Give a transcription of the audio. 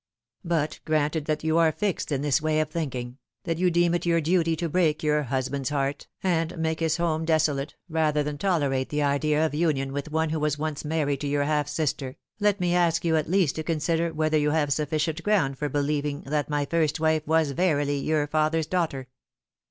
But granted that you are fixed in this way of thinking, that you deem it your duty to break your husband's heart, and make his home desolate, rather than tolerate the idea of union with one who was once married to your half sister, let me ask you at least to consider whether you have sufficient ground for believing that my first wife was verily your father's daughter.